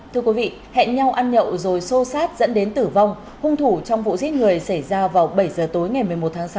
thưa quý vị hẹn nhau ăn nhậu rồi xô sát dẫn đến tử vong hung thủ trong vụ giết người xảy ra vào bảy giờ tối ngày một mươi một tháng sáu